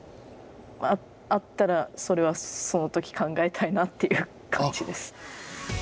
あったら、それはそのとき考えたいなという感じです。